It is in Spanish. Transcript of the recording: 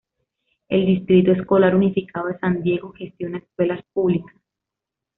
El Distrito Escolar Unificado de San Diego gestiona escuelas públicas.